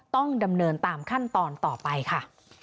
ต้องดำเนินตามขั้นตอนต่อไปค่ะ